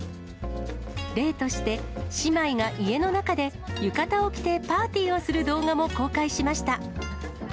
例として、姉妹が家の中で浴衣を着てパーティーをする動画も公開しました。